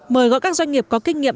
mời gọi các doanh nghiệp có kinh nghiệm